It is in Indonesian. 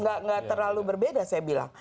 nggak terlalu berbeda saya bilang